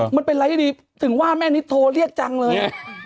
มันเป็นไร้ดีถึงว่าแม่นิดโทรเรียกจังเลย